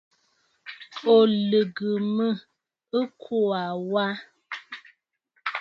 Ò lɨ̀gə̀ mə ɨkuu aa wa?